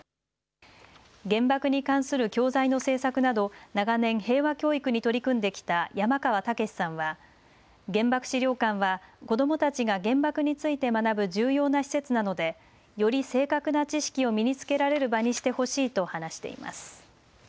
原爆に関する教材の制作など長年、平和教育に取り組んできた山川剛さんは原爆資料館は子どもたちが原爆について学ぶ重要な施設なので、より正確な知識を身につけられる場にしてほしいと話しています。